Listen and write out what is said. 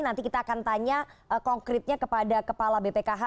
nanti kita akan tanya konkretnya kepada kepala bpkh